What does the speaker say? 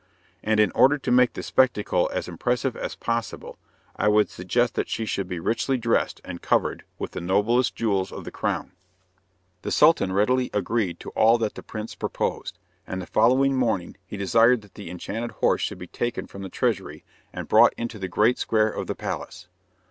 And in order to make the spectacle as impressive as possible, I would suggest that she should be richly dressed and covered with the noblest jewels of the crown." The Sultan readily agreed to all that the prince proposed, and the following morning he desired that the enchanted horse should be taken from the treasury, and brought into the great square of the palace.